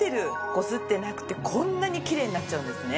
こすってなくてこんなにキレイになっちゃうんですね。